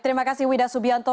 terima kasih wida subianto